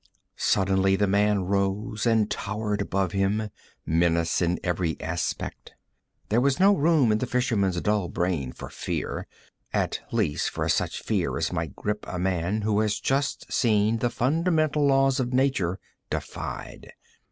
Suddenly the man rose and towered above him, menace in his every aspect. There was no room in the fisherman's dull brain for fear, at least for such fear as might grip a man who has just seen the fundamental laws of nature defied.